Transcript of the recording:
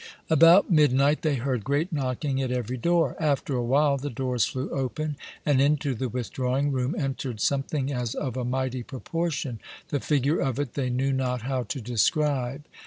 About midnight they heard great knocking at every door; after a while the doors flew open, and into the withdrawing room entered something as of a mighty proportion, the figure of it they knew not how to describe.